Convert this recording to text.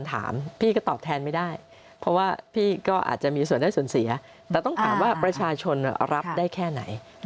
สมบานรับกันได้แค่ไหน